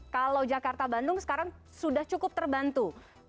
kalau jakarta bandung sekarang sudah cukup terbantu